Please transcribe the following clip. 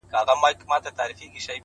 قربان د ډار له کيفيته چي رسوا يې کړم ـ